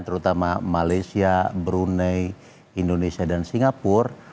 terutama malaysia brunei indonesia dan singapura